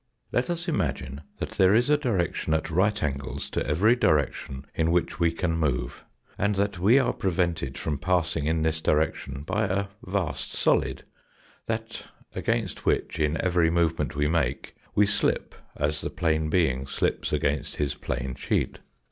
Let us imagine that there is a direction at right angles to every direction in which we can move, and that we are pre vented from passing in this direction by a vast solid, that against which in every movement we make we slip as the plane being slips against his plane sheet.